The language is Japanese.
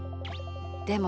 でも。